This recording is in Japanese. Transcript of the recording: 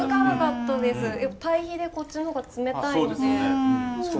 やっぱ対比でこっちの方が冷たいので。